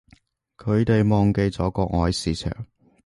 佢哋忘記咗國外市場